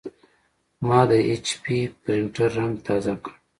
ما د ایچ پي پرنټر رنګ تازه کړ.